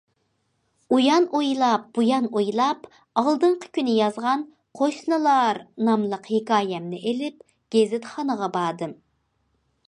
ئۇيان ئويلاپ، بۇ يان ئويلاپ، ئالدىنقى كۈنى يازغان‹‹ قوشنىلار›› ناملىق ھېكايەمنى ئېلىپ گېزىتخانىغا باردىم.